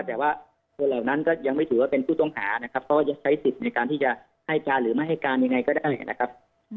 แต่ว่าคนเหล่านั้นก็ยังไม่ถือว่าเป็นผู้ต้องหานะครับเพราะว่ายังใช้สิทธิ์ในการที่จะให้การหรือไม่ให้การยังไงก็ได้นะครับ